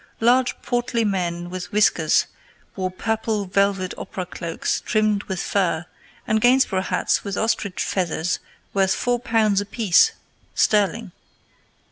Large, portly men with whiskers wore purple velvet opera cloaks trimmed with fur, and Gainsborough hats with ostrich feathers worth four pounds apiece (sterling).